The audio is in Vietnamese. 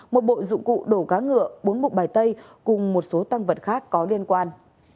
một bộ dụng cụ đổ cá ngựa bốn bục bài tây cùng một số tăng vật khác có liên quan